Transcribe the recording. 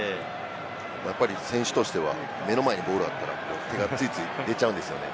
やっぱり選手としては、目の前にボールがあったら手がついつい出ちゃうんですよね。